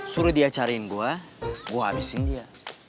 suruh dia cariin gue gue habisin dia